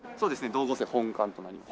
道後温泉本館となります。